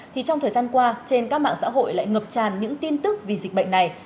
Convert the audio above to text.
thì trong thời gian qua trên các mạng xã hội lại ngập tràn những tin tức vì dịch bệnh này